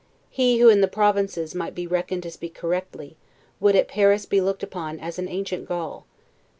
He, who in the provinces might be reckoned to speak correctly, would at Paris be looked upon as an ancient Gaul.